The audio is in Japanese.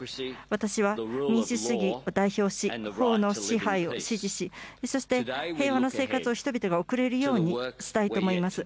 私は民主主義を代表し、法の支配を支持し、そして平和な生活を人々が送れるようにしたいと思います。